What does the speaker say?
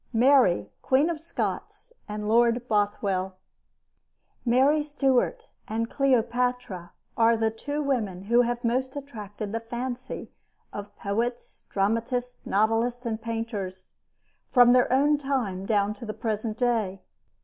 MARY QUEEN OF SCOTS AND LORD BOTHWELL Mary Stuart and Cleopatra are the two women who have most attracted the fancy of poets, dramatists, novelists, and painters, from their own time down to the present day.